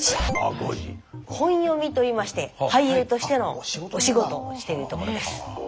本読みといいまして俳優としてのお仕事をしているところです。